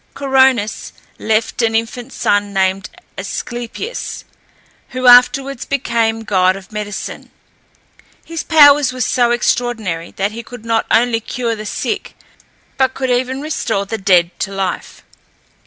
Coronis left an infant son named Asclepius, who afterwards became god of medicine. His powers were so extraordinary that he could not only cure the sick, but could even restore the dead to life.